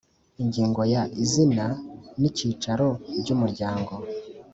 Ingingo ya izina n icyicaro by umuryango